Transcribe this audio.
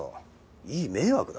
いい迷惑だ。